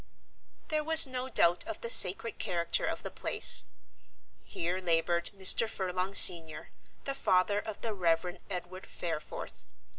There was no doubt of the sacred character of the place. Here laboured Mr. Furlong senior, the father of the Rev. Edward Fareforth.